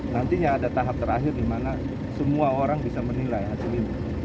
nantinya ada tahap terakhir di mana semua orang bisa menilai hasil ini